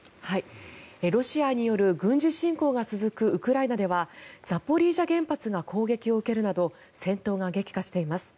ロシアによる軍事侵攻が続くウクライナではザポリージャ原発が攻撃を受けるなど戦闘が激化しています。